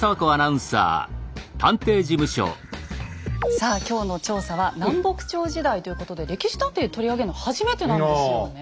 さあ今日の調査は「南北朝時代」ということで「歴史探偵」で取り上げるの初めてなんですよねえ。